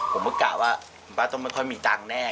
ผมก็กล่าวว่าคุณป้าต้องไม่ค่อยมีตังค์แน่